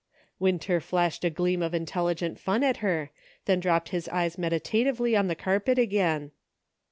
Winter flashed a gleam of intelligent fun at her, then dropped his eyes meditatively on the carpet again.